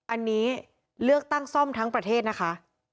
อันนี้เลือกตั้งซ่อมทั้งประเทศนะคะ